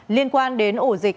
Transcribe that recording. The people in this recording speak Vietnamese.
liên quan đến ổ dịch